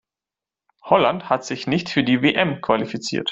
Holland hat sich nicht für die WM qualifiziert.